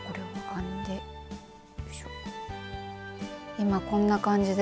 今こんな感じで。